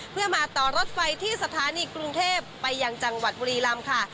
เพื่อมาต่อรถไฟที่สถานีกรุงเทพไปยังจังหวัดบุรีลำค่ะ